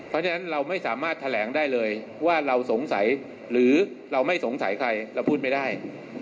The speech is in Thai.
เพราะฉะนั้นเราไม่สามารถแถลงได้เลยว่าเราสงสัยหรือเราไม่สงสัยใครเราพูดไม่ได้